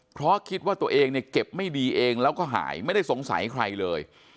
เพราะคิดว่าตัวเองเนี่ยเก็บไม่ดีเองแล้วก็หายไม่ได้สงสัยใครเลย